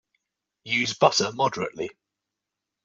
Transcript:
Use butter moderately.